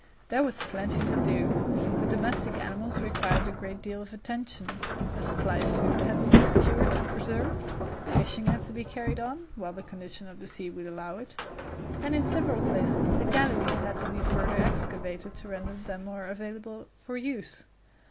There was plenty to do. The domestic animals required a great deal of attention; a supply of food had to be secured and preserved; fishing had to be carried on while the condition of the sea would allow it; and in several places the galleries had to be further excavated to render them more available for use.